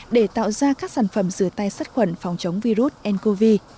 để tạo ra các sản phẩm rửa tay sát khuẩn phòng chống virus ncov